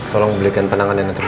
tolong berikan penanganan yang terbaik